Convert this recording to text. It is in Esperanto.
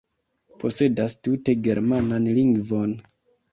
posedas tute germanan lingvon.